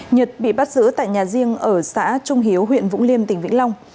nhật bị bắt giữ tại nhà riêng ở xã trung hiếu huyện vũng liêm tỉnh vĩnh long